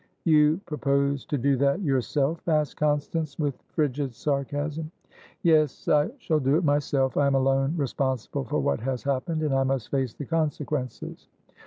"You propose to do that yourself?" asked Constance, with frigid sarcasm. "Yes, I shall do it myself. I am alone responsible for what has happened, and I must face the consequences."